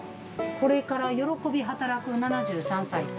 「これから喜び働く７３才」。